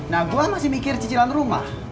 nah gue masih mikir cicilan rumah